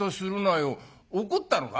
怒ったのか？」。